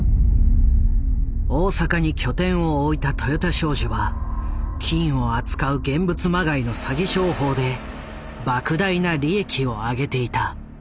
大阪に拠点を置いた豊田商事は金を扱う現物まがいの詐欺商法でばく大な利益をあげていた。